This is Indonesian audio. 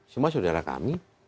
semua saudara kami